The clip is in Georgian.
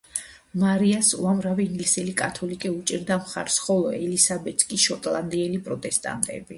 მარიას უამრავი ინგლისელი კათოლიკე უჭერდა მხარს ხოლო ელისაბედს კი შოტლანდიელი პროტესტანტები.